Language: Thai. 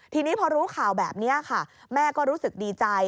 ทีนี้พอรู้ข่าวแบบนี้ค่ะแม่ก็รู้สึกดีใจ